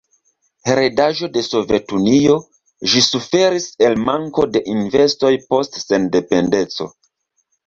Heredaĵo de Sovetunio, ĝi suferis el manko de investoj post sendependeco.